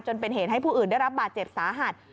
จนเป็นเหตุให้ผู้อื่นได้รับบาดเจ็บสาหัส